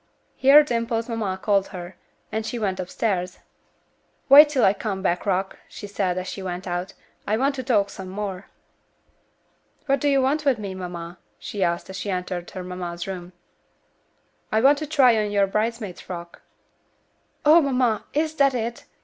Here Dimple's mamma called her, and she went upstairs. "Wait till I come back, Rock," she said, as she went out, "I want to talk some more." "What do you want with me, mamma?" she asked as she entered her mamma's room. "I want to try on your bridesmaid frock." "Oh, mamma! Is that it?"